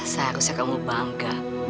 saya harusnya kamu bangga